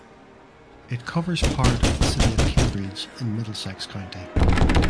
It covers part of the city of Cambridge in Middlesex County.